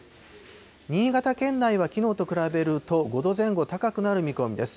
新潟県内はきのうと比べると５度前後高くなる見込みです。